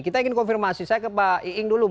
kita ingin konfirmasi saya ke pak iing dulu